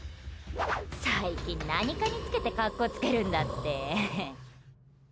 最近、何かにつけて格好つけるんだって。